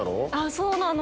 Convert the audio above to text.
そうなの。